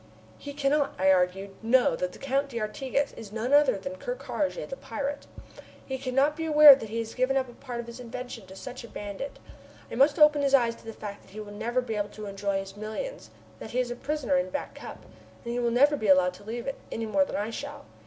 "He cannot," I argued, "know that the Count d'Artigas is none other than Ker Karraje, the pirate. He cannot be aware that he has given up a part of his invention to such a bandit. I must open his eyes to the fact that he will never be able to enjoy his millions, that he is a prisoner in Back Cup, and will never be allowed to leave it, any more than I shall.